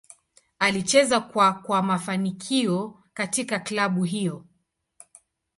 Alicheza kwa kwa mafanikio katika klabu hiyo.